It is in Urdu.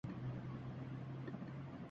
اٹک جیل کا مہمان